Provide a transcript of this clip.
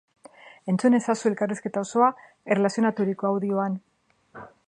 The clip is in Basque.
Entzun ezazu elkarrizketa osoa erlazionaturiko audioan.